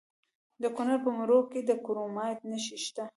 د کونړ په مروره کې د کرومایټ نښې شته.